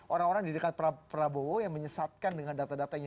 orang orang di dekat prabowo yang menyesatkan dengan data datanya